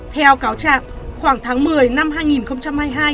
theo cáo trạng khoảng tháng một mươi năm hai nghìn hai mươi hai